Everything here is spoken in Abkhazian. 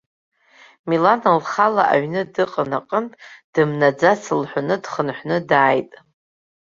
Милана лхала аҩны дыҟан аҟынтә, дымнаӡац лҳәоны, дхынҳәны дааит.